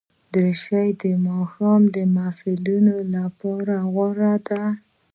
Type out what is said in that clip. دریشي د ماښام محفلونو لپاره غوره ده.